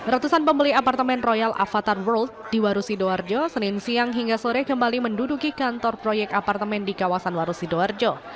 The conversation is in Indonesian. ratusan pembeli apartemen royal avatar world di warusidoarjo senin siang hingga sore kembali menduduki kantor proyek apartemen di kawasan waru sidoarjo